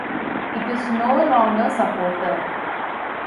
It is no longer supported.